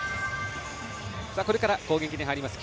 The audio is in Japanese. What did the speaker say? これから攻撃に入ります